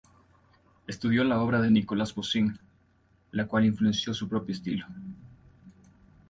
Estudió la obra de Nicolas Poussin, la cual influenció su propio estilo.